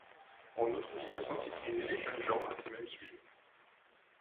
En outre, il veut sensibiliser les jeunes gens à ces mêmes sujets.